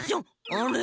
あれ？